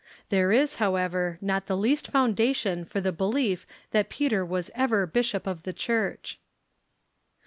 There is, hoAA ever, not the least foundation for the belief that Peter Avas ever bishop of the Church.